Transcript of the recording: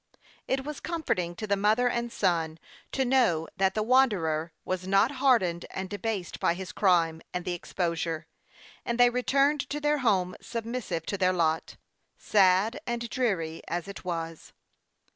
It was comforting to the mother and son to know that the wanderer was not hardened and debased by his crime and the exposure ; and they returned to their home submissive to their lot, sad and dreary as it was.